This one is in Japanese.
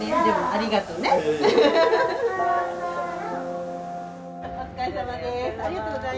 ありがとうございます。